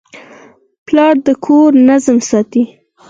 پلار د کور نظم ساتي.